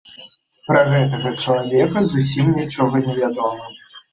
Пра гэтага чалавека зусім нічога не вядома.